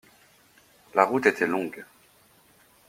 La route était longue.